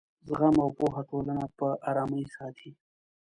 زغم او پوهه ټولنه په ارامۍ ساتي.